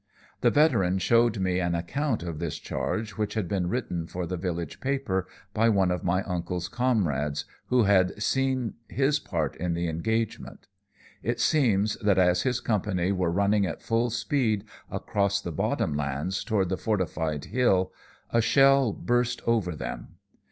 "The veteran showed me an account of this charge which had been written for the village paper by one of my uncle's comrades who had seen his part in the engagement. It seems that as his company were running at full speed across the bottom lands toward the fortified hill, a shell burst over them.